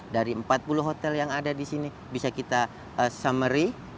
dari empat puluh hotel yang ada di sini bisa kita summary